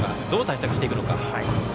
どう対策していくのか。